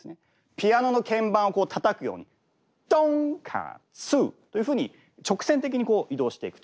ピアノの鍵盤をたたくようにとんかつというふうに直線的に移動していくと。